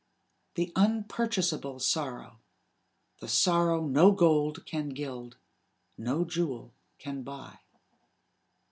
The unpurchasable sorrow the sorrow no gold can gild, no jewel can buy!